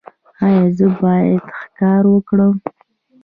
ایا زه باید ښکار وکړم؟